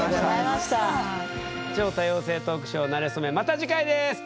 また次回です！